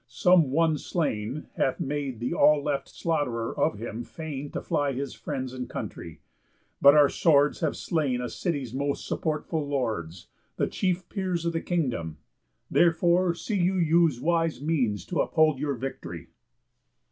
Some one slain Hath made the all left slaughterer of him fain To fly his friends and country; but our swords Have slain a city's most supportful lords, The chief peers of the kingdom, therefore see You use wise means t' uphold your victory."